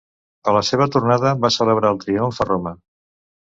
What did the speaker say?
A la seva tornada va celebrar el triomf a Roma.